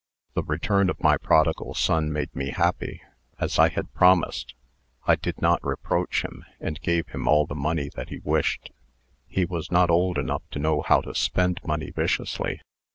"The return of my prodigal son made me happy. As I had promised, I did not reproach him, and gave him all the money that he wished. He was not old enough to know how to spend money viciously.